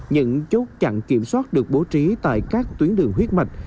những chốt chặn kiểm soát được bố trí tại các tuyến đường huyết mạch